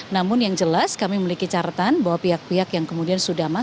namun yang jelas kami memiliki catatan bahwa pihak pihak yang kemudian diberikan perhatian ini